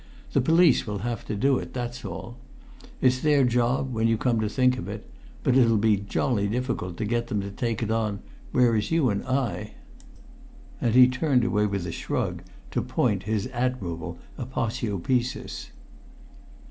The police will have to do it, that's all. It's their job, when you come to think of it; but it'll be jolly difficult to get them to take it on, whereas you and I " And he turned away with a shrug to point his admirable aposiopesis.